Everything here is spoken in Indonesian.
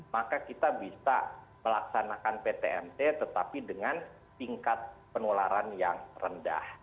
maka kita bisa melaksanakan ptmt tetapi dengan tingkat penularan yang rendah